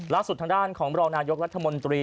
ล่าสุดทางด้านของรองนายกรัฐมนตรี